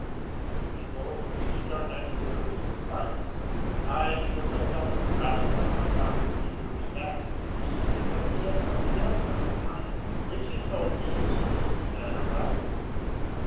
We both reached our night quarters in silence, — 1, because I felt a grapple on my heart, which drew me hale: he, be cause he had something else on his mind, which he told me as soon as we had arrived.